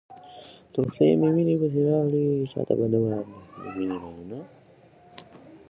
تر خولې مي وېني پسي راغلې، چاته به نه وايم د خپل مېني رازونه